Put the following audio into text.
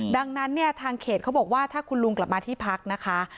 ดังนั้นเนี่ยทางเขตเขาบอกว่าถ้าคุณลุงกลับมาที่พักนะคะ